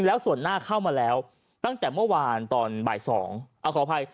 แล้วส่วนหน้าเข้ามาแล้วตั้งแต่เมื่อวานตอนบ่ายสองเอาขออภัย